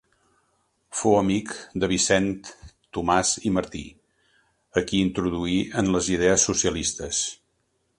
Fou amic de Vicent Tomàs i Martí, a qui introduí en les idees socialistes.